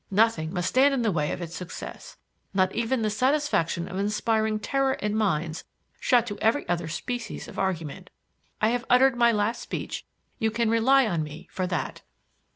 Nothing must stand in the way of its success, not even the satisfaction of inspiring terror in minds shut to every other species of argument. I have uttered my last speech; you can rely on me for that."